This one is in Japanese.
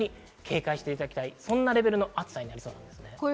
警戒していただきたい、そんなレベルの暑さになりそうです。